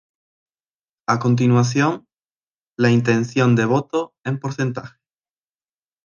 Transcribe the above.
A continuación, la intención de voto en porcentaje.